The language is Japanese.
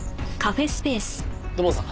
土門さん。